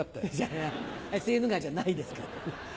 あれセーヌ川じゃないですから。